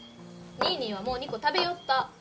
ニーニーはもう２個食べよった。